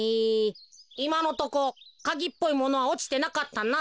いまのとこカギっぽいものはおちてなかったなあ。